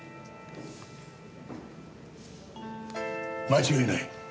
間違いない。